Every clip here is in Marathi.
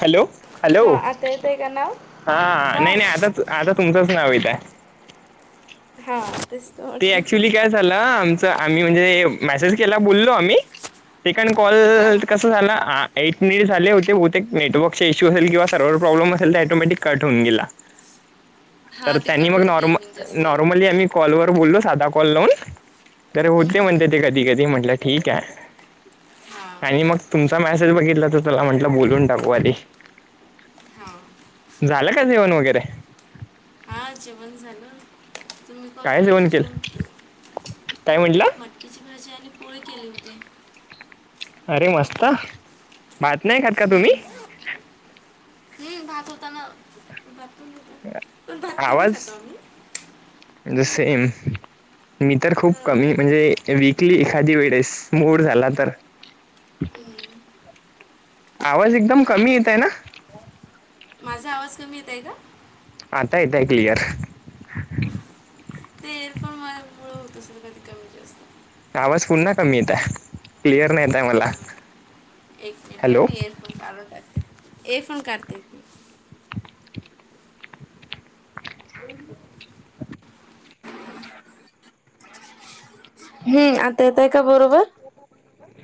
हॅलो हॅलो हां आता येत आहे का नाव हा नाही हां नाही आताच आता तुमचंच नाव येतय आहे. हां - ते ऍक्च्युली काय झालं आमच आम्ही म्हणजे मेसेज केला बोललो आम्ही - ते कणी हां कॉल हां हां कस झालं. एट मिनिट झाले होते बहुतेक ते नेटवर्क इशू असल किंवा सर्वर प्रॉब्लम असेल ऑटोमॅटिक कट होऊन गेला. ह [inaudible] तर त्यांनी मग नॉम झाले नॉर्मली हम्म, आम्ही कॉलवरर बोललो साधा कॉल लावून - तर होते हम्म, हम्म. म्हणते ते कधी कधी म्हटलं ठीक आहे - आणि हां मग तुमचा मेसेज बघितला तर त्याला म्हंटलं बोलून टाकू आधी हां झालं का जेवण वगैरे हा जेवण झालं तुम्ही कॉल काय केला जेवण केलं त्याच्यानंतर काय म्हटलं मटकीची भाजी आणि पोळी केली होते. अरे मस्त भात नाही खात का तुम्ही? हम्म हम्म भात होताना आवाज ज सेम मी तर खूप हां, कमी म्हणजे वीकली एखादी वेळेस, मोड झाला तर. हम्म. आवाज एकदम कमी येत भात आहे ना. माझा आवाज कमी येत आहे का? आता येतोय क्लियर. ते एरफोन मला मुळ होत सर, कधी कमी जास्त असत. आवाज पुन्हा कमी येत आहे. क्लिअर नाही येत आहे आवाज. हा एक मिनट मी एरफोन काडून टाकते एरफोन काढते. हो [unintelligible] हम् आता येतय का बरोबर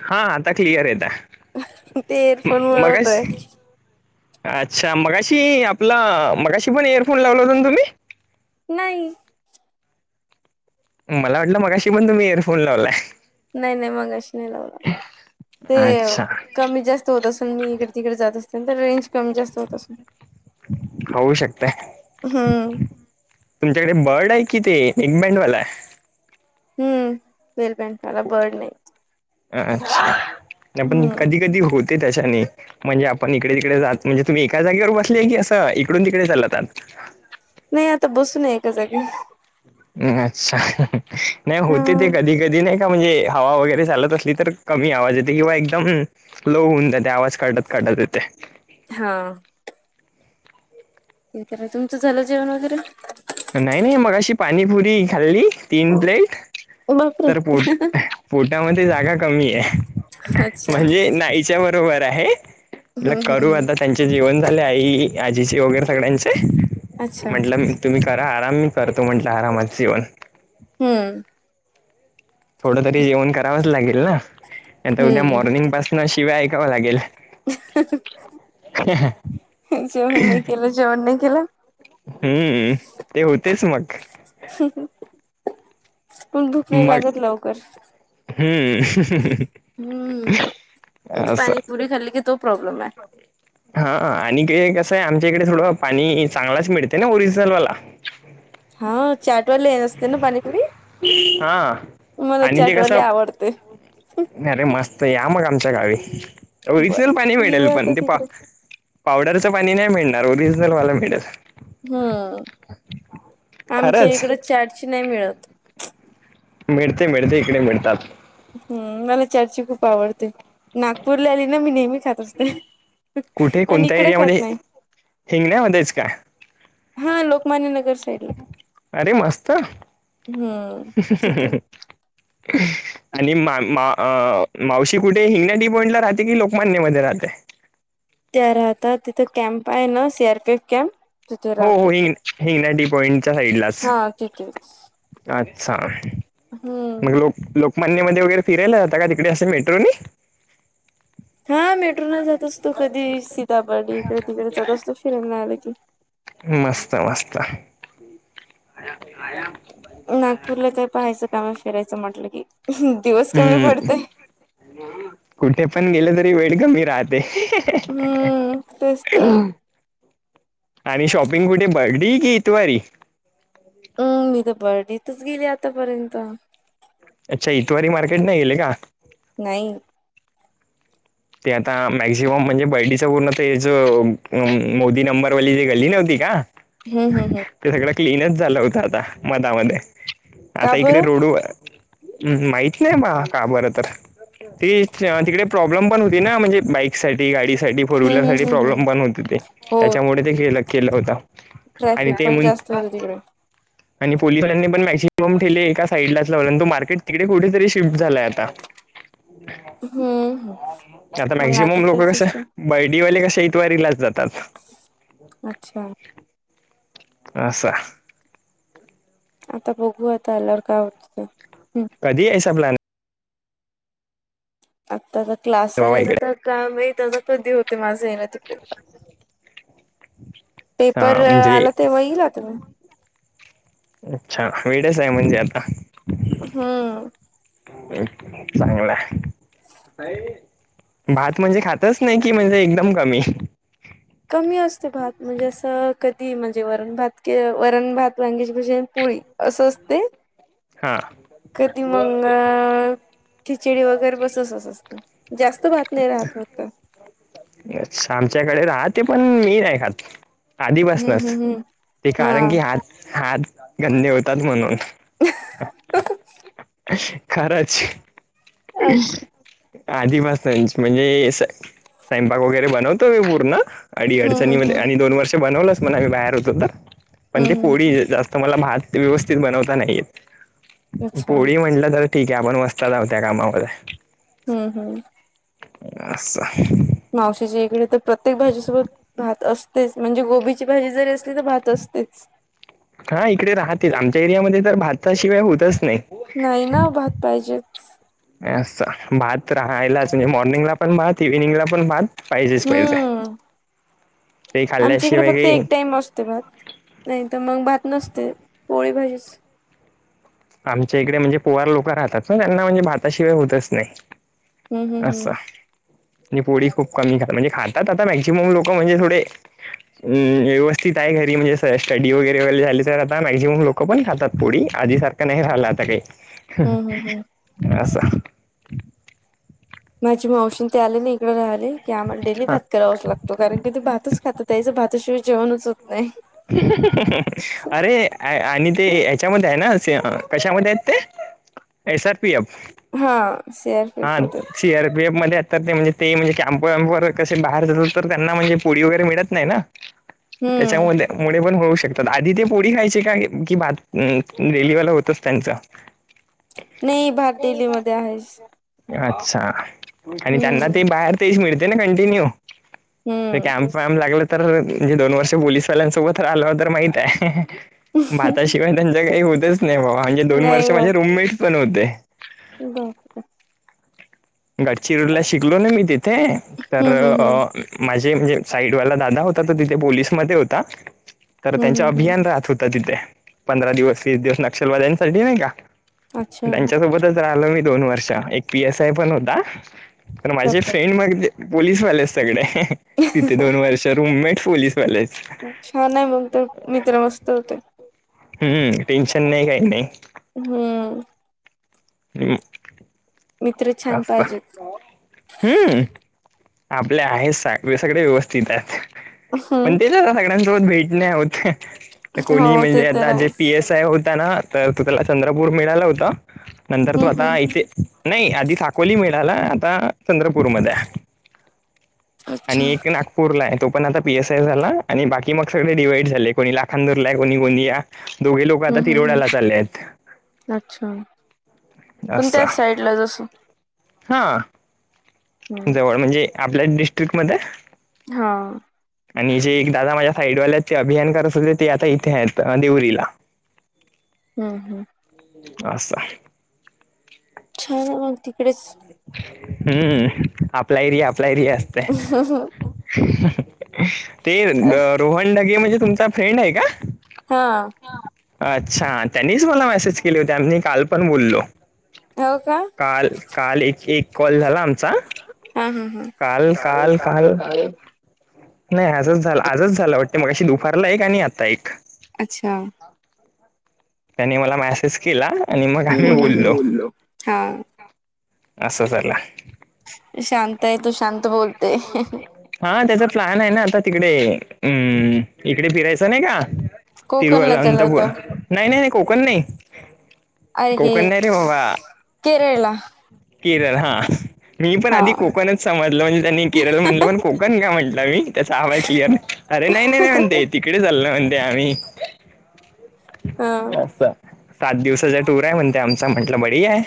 हा आता क्लिअर येत ते आहे, एअरफोन मुळे होतोय मगाशी - अच्छा मगाशी आपला मगाशी पण एयरफोन लावला होता ना तुम्ही नाही. मला वाटलं मगाशी पण तुम्ही एयरफोन लावलाय. नाही-नाही मगाअशी नाही लावला, ते. अच्छा कमी जास्त होत असेल, मी इकडे-तिकडे जात असेन तर रेंज कमी जास्त होत अस. होऊ शकतय हम्म. तुमच्याकडे बर्ड आहे कि, ते, एगमँडवाला आहे. हम्म वेलबन मला बर्ड नाही. अच्छा पण हम्म कधी-कधी होते त्याच्याने. म्हणजे आपण इकडे-तिकडे जात, म्हणजे तुम्ही एका जागेवर बसलीय की असं, इकडून तिकडे चालतात. नाही आता बसूनये एका जागी. ् अच्छा नाही, हा होते ते कधी-कधी नाही. का म्हणजे, हवा वगैरे चालत असली तर कमी आवाज येते किंवा एकदम. लो होऊन जातो, आवाज काढत-काढत येतोय. हा. ते तर तुमचं झालं जेवण वगैरे. नाही-नाही मगाआशी पाणीपुरी खाल्ली तीन प्लेट बापरे तर पोट पोटामध्ये जागा कमीय. अच्छा हम्म म्हणजे नाईच्या बरोबर आहे, म्हणलं हम्म करू हम्म आता त्यांचे जेवण झाले आई, आजीचे वगैरे सगळ्यांचे. अच्छा म्हंटलं मी तुम्ही करा आराम, मी करतो म्हटलं आरामात जेवन. हम्म. थोडं तरी जेवण करावंच लागेल ना, नाहीतर उद्या हम्म मॉर्निंग पास्न शिव्या ऐकावं लागेल. जेवण नाही केलं, जेवण नाही केलं. हम्म, ते होतेच मग. पण भुक नाही मग लागत लवकर. हम्म. हम्म असं पाणीपुरी खाल्ली की तो प्रॉब्लेमाय. हा आणि ते कसं आहे आमच्या इकडे थोडं पाणी चांगलाच मिळते ना ओरिजिनल वाला. हा चाटवाले न असते ना पाणीपुरी? हा मला आणि ते चाटवाले कसं आवडते. अरे मस्त या मग आमच्या गावी. बर ओरिजनल पाणी येऊ मिळेल पण आता ते पा तिकडे पावडरचं पाणी नाही मिळणार ओरिजनलवाला मिळयच हम्म आमच्या खरंच इकड चटची नाही मिळत मिळते मिळते इकडे मिळतात हम् मला चर्चा खूप आवडते नागपूरला आली ना मी नेहमी खात असते कुठे आणि कोणत्या इकडं खात एरियामध्ये नाही. हिंगण्यामध्येच का हा लोकमान्य नगर साईड ला. अरे मस्त. हम्म तिथे. आणि मा मा- मावशी कुठे हीनंदी पॉईंटला राहते की लोकमान्य मध्ये राहते? त्या राहता तिथं कॅम्प आहे ना सी आरपीएफ कॅम्प तिथे हो हो राहतात. हिंग हिंगना टी पॉइंटच्या साईडला हा तिथेच अच्छा हम्म. मग लोक लोकमान्यमध्येध्ये वगैरे फिरायला जात का तिकडे असे मेट्रो नाही हा मेट्रोला जात असतो कधी सीतापर्डी इकडे तिकडे जात असतो फिरयला आलं की मस्त मस्त अ आया नागपूरला काय पहायचं काम फिरायचं म्हटलं कि दिवस कमी हम्म पडतय कुठे पण गेले तरी वेळ कमी राहते हम्म तेच तर आहे आणि शॉपिंग कुठे बर्डी की इतवारी अम मी तर बर्डेतच गेली आतापर्यंत अच्छा इतवारी मार्केट नाही गेले का नाही ते आता मॅक्झिमम म्हणजे बर्डीचं पूर्ण ते ज मोदी नंबरवाली जे गली नव्हती का हम् हम हम ते सगळं क्लीनच झालं होतं आता मतामध्ये का आता इकडे बरं रोडू हम् माहत नाही म का बरं तर त तिकडे प्रॉब्लेम पण हो ते ना म्हणजे बाईक साठी गाडी साठी फोर हम्म व्हीलर साठी हम्म हम्म हम्म प्रॉब्लेम पण होते ते हो त्याच्यामुळे ते खेलं केला होता आणि ट्रॅफिक ते पण म्ह जास्त होत [unintelligible] आणि पोलिसांनी पण मॅक्सिमम ठेले एका साइडलाच लावला आणि तो मार्केट तिकडे कुठेतरी शिफ्ट झालाय आता ह हम्म आता मग मॅक्झिमम लोक तर कस तस बर्डीवाले कसे इतवारीलाच जातात अच्छा आसाा आता बघू आता एलर काय होत कधी असस प्लन आताचा क्लास आहे बाबा इकडे आता काम आता कधी होते माझं आहे ना तिकडे हा पेपर म्हणजे आला तेव्हा येईल तु अच्छा वेळेस आहे म्हणजे आता हम्म स भात म्हणजे खातच नाही की म्हणजे एकदम कमी कमी असते भात म्हणजे असं कधी म्हणजे वरण भात के वरण भात वांगीची भजे पुळी असं असते हा कधी मंग खिचडी वगैरे बसस असत जास्त भात नाही राहत फक्त च आमच्याकडे राहते पण मी नाही खात आधी हम्म बसनस हम्म हम्म ते कारण की हा हात हात गंदे होतात म्हणून [unintelligible] खरांच अच्छा आधीपासनाची म्हणजे स्वयंपाक वगैरे बनवतो मी पूर्ण अडी हम्म हम्म अडचणीमध्ये हम्म आणि दोन वर्ष बनवलंच म्हणा आम्ही बाहेर होतोत पण ते हम्म हम्म पोळी जास्त तम्हाला भात व्यवस्थित बनवता नाहीेत अच्छा पोळी म्हटलं तर ठीक आहे आपण बसत आह त्या कामामध्ये हम्म हम्म अच्छा मावशीच्या इकडे तर प्रत्येक भाजीसोबत भात असतेच म्हणजे गोबी भाजी जरी असली तर भात असते हा इकडे राहतेच आमच्या एरियामध्ये तर भातसाशिवाय होतच नाही नाही ना भात पाहिजेच भात राहायलाच नाही मॉर्निंगला पण भात इव्हिनिंगला पण भात पाहिजेच पाहिजे हम्म ते खाल्ल्याशिवाय काही नाही मस्त मात नाही तर मग भात नसते पोळी भाजीच आमच्या इकडे म्हणजे पोवार लोकं राहतात ना त्यांना म्हणजे भाताशिवाय होतच नाही हम्म हम्म अस हम्म आणि पोळी खूप कमी खातात म्हणजे खातात आता मॅक्झिमम लोक म्हणजे थोडे अम व्यवस्थित आहे घरी म्हणजे स्टडी वगैरे वगैरे झाली तर आता मॅक्झिमम लोक पण खातात पुडी आजी सारखं नाही राहिला आता काही हम्म हम्म हम्म. असं माझी मावशीन ते आले ना इकडे राहाले की आम्हाला डेली हा भात करावच लागत कारण की तू भातच खात त्याच भाताशिवाय जेवणच होत नाही अरे आणि ते हच्यामध्ये आहे ना कशामध्ये आहेत ते एस आर पी अफ हा सर हा सी आर पी एफ मध्ये आता ते म्हणजे ते म्हणजे कॅम्प वॅम्पवर कसे बाहेर जात तर त्यांना म्हणजे पोळी वगैरे मिळत नाही ना हम्म. त्याच्यामुळे मुळे पण होऊ शकत तर आधी ते पोळी खायचे का कि भात रेलीवाला होतच त्यांच नाही भार दिल्लीमध्येध्ये आहेस अच्छा आणि त्यांना हम्म ते बाहेर तेच मिळते ना कंटिन्यू ते हम्म. कॅम्प वॅम्प लागल म्हणे दोन वर्ष पोलीसवाल्यांसोबत आल तर माहित आहे भात किं त्यांच्या काही होतच नाही बाबा म्हणजे दोन नाही वर्ष बघ माझे रूमेट्स पण होते ब ब गडचिरोला शिकलो ना मी तिथे तर हम्म हम्म हम्म माझे म्हणजे साईडवाला दादा होता त तिथे पोलीसमध्येध्ये होता तर हम्म त्यांच हम्म हम्म अभियान राहत होतं तिथे पंधरा दिवस वीस दिवस नक्षलवाद्यांसाठी नाही का अच्छा. त्यांच्यासोबतच राहिल मी दोन वर्ष एक पी एस आय पण होता तर माझे डॉक्टर फ्रेंड मग ते पोलीसवाले सगळे तिथे दोन वर्ष रुममेट पोलीस पले छान आहे मग ते मित्र मस्त होते हम्मम टेन्शन नाही काही नाही हम्म हे मित्र छान पाहिजेत हम्म आपले आहेत सगळे व्यवस्थित आहेत पण हम्म तेच सगळ्यांसोबत भेटणे होते कोणी हो ते म्हणजे तर आता जे आहेच पी एस आय हो ना तर तू त्याला चंद्रपूर मिळाला होता नंतर तू हम्म आता हम्म इथे नाही आधी साकोली मिळाला आता चंद्रपूरमध्येध्ये आहे आणि अच्छा. एक ना पुूरला आहे तो पण आता पी एस आय झाला आणि बाकी मग सगळे डिवाइड झाले कोणी लाखांदूरला आहे कोणी कोणणी या दोघे लोक आता हम्म हम्म तिरोवडाला हम्म चालले आहेत. अच्छा पुण त्याच साईड ला जसो हा हम्म जवळ म्हणजे आपल्या डिस्ट्रिक्ट मध्ये हा आणि जे एक दादा माझ्या साईडवाल्यात ते अभियान करत होते ते आता इथे आहेत देवरीला हम्म हम् असछा. छान मग तिकडेच हम्म आपलाहीरी आपलायरी असते ते अस रोहनडगे म्हणजे तुमचा फ्रेंड आहे का हा अच्छा त्यांनीच मला मेसेज केली होतीनी काल पण बोललो हो का काल काल एक एक कॉल झाला आमचा ह ह ह का काल काय नाही असंच झालं आजच झालं वाटते मग अशी दुपारला एक आणि आता एक अच्छा ह. त्यांनी मला मेसेज केला आणि मग आम्ही हम्म, हम्म. बोललो हा अससं ला शांत आहे तू शांत बोलतेय हा त्याचा प्लॅन आहे ना आता तिकडे हम् इकडे फिरायचं नाही का तिरुव कोकणला चालला अनंतपुरा तो नाही नाही नाही कोकण नाही अरे हे कोक नाही रे बाबा केरळला केरळ हा मी पण हा आधी कोकणच समजल म्हणजे त्यांनी केरळ म्हटलं पण कोकण का म्हटलं मी त्याचा आवाज क्लिअर आहे अर नाही नाही म्हणतेेत तिकडे चाललं म्हणते आम्ही हा हम्म. असा सात दिवसाचा टूर आहे म्हण ते आमचा म्हटलं बडी आहे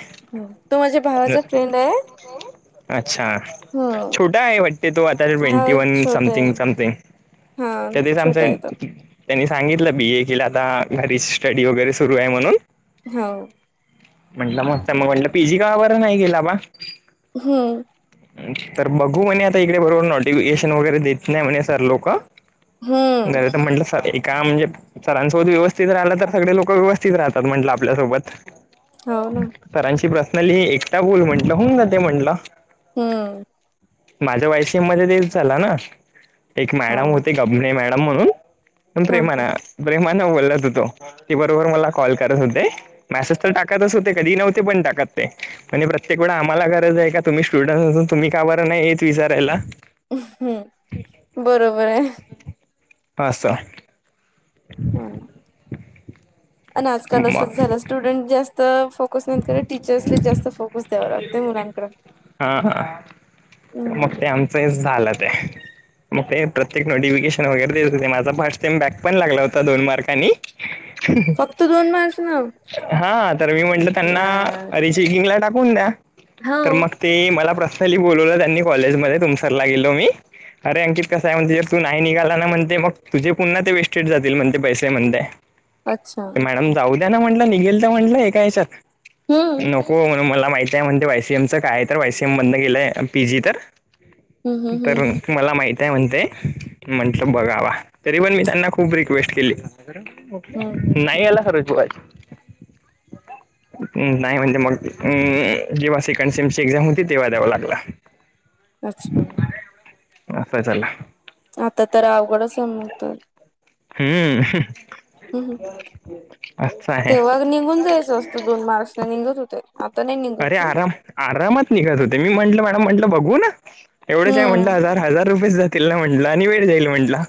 तो माझ्या भावाचा फ्रेंड आहे अच्छा हम्म छोटा आहे वाटते तो आता हा ट्वेंटी वन छोटा आहे समथिंग समथिंग हा त्या दिच छोटा आमचा आहे तो त्यांनी सांगितलं बी ए केला आता घरीची स्टडी वगैरे सुरू आहे म्हणून हो म्हटलं मस्त मग म्हटलं पीजी का बरं नाही गेला बा. हम्म तर बघू म्हणे आता इकडे बरोबर नोटिफिकेशन वगैरे देत नाही म्हणे सर लोक. हम्म घर तर म्हंटलं स एका म्हणजे सरांसोत व्यवस्थित राहिला तर सगळे लोक व्यवस्थित राहतात म्हटलं आपल्यासोबत हो ना सरांची प्रसनली एकटा बोल म्हंलं होऊ जा ते म्हंलं हम्म माझ्या वायसीम मध्ये झाला ना एक हा मॅडम होते कभने मॅडम म्हणून हा हा. प्रेमाणा प्रेमा न बोलत होतो ती बरोबर मला कॉल करत होते मॅसेज तर टाकतच होते कधी नव्हते पण टाकत ते म्हणज प्रत्येक वेळा आम्हाला गरज आहे का तुम्ही स्टुडंट् असून तुम्ही का बर नाहीेत विचारायला हम्म बरोबर आहे पा हम आणि आजकाल मग असंच झालं स्टुडंट जास्त फोकस नाहीत करत टीचर्सला जास्त फोकस द्यावं लागतं मुलांकडे हां मग हम्म. ते आमचं झालं ते मग ते प्रत्येक नोटिफिकेशन वगैरे देत होते माझा फस्ट टाइम बॅक पण लागला होता दोन मार्काने [unintelligible] फक्त दोन मार्क्स ना. हा तर मी म्हटलं त्यांना यार रिचेकिंग ला टाकून द्या तर हो. मग ते मला पर्सनली बोलवलं त्यांनी कॉलेजमध्येध्ये तुमसरला गेलो मी अरे अंकित कसं आहे म्हणते तू नाही निघाला ना म्हणते मग तुझे पुन्हा ते वेस्टेड जातील म्हणते पैसे म्हणते अच्छा मॅडम जाऊ द्या ना म्हटलं निघेल तर म्हटलं हे का याच्यात हम्म. नको मला माहिती आहे म्हणते वायसीएम चं काय तर वायसीएम मध गेलंय पी जी तर हम्म हम्म तर हम्म मला माहित आहे म्हणते म्हंटलं बघावा तरी पण मी त्यांना खूप रिक्वेस्ट केली हम्म हम्म नाही हम्म याला रिप्लाय नाही म्हणते मग अ जेव्हा सेकंड सेम ची एक्झाम होती तेव्हा द्यावा लागला अच्छा नसायचला आता तर अवगडचमतो हम्म हम् असं आहे तेव्हा निघून जायचं असतं दोन मार्चने निघत होतेय आता न नि अरे गात आराम आरामात निघत होते मी म्हटलं मॅडम म्हटलं बघू ना एवढेचय हम्म म्हटलं हजार हजार रुपयेच जात तला म्हटल आणि वेळ जाईल म्हंटला